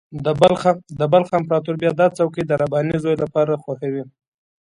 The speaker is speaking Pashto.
د بلخ امپراطور بیا دا څوکۍ د رباني زوی لپاره خوښوي.